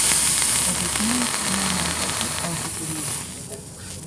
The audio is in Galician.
Os veciños non dan creto ao sucedido.